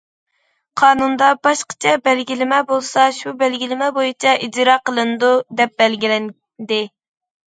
قانۇندا باشقىچە بەلگىلىمە بولسا، شۇ بەلگىلىمە بويىچە ئىجرا قىلىنىدۇ، دەپ بەلگىلەندى.